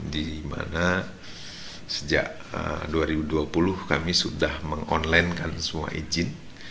di mana sejak dua ribu dua puluh kami sudah meng online kan semua izin